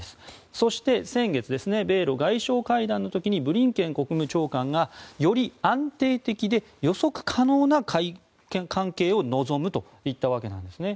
そして先月、米ロ外相会談の時にブリンケン国務長官がより安定的で予測可能な関係を望むと言ったわけなんですね。